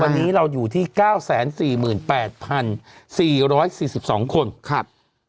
วันนี้เราอยู่ที่เก้าแสนสี่หมื่นแปดพันสี่ร้อยสี่สิบสองคนครับ